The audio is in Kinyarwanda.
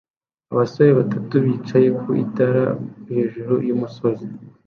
Abasore batatu bicaye ku rutare hejuru yumusozi